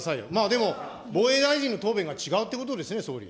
でも、防衛大臣の答弁が違うということですね、総理。